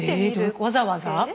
わざわざ。